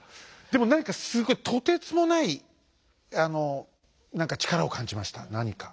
でも何かすごいとてつもない何か力を感じました何か。